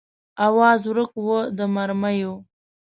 آواز ورک و د مرمیو